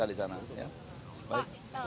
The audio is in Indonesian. untuk masalah penjaraan